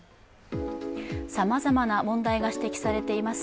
さまざまな問題が指摘されています